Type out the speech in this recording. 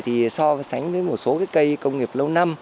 thì so với một số cây công nghiệp lâu năm